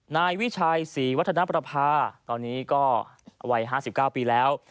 นายวิชัยศรีวัฒนประภาตอนนี้ก็วัย๕๙ปีแล้ว